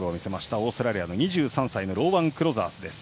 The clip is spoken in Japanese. オーストラリアの２３歳のローワン・クロザース。